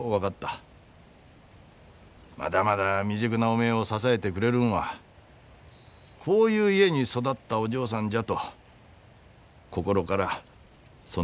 まだまだ未熟なおめえを支えてくれるんはこういう家に育ったお嬢さんじゃと心からそねえに思えた。